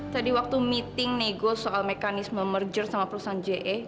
tadi waktu meeting nego soal mekanisme merger sama perusahaan je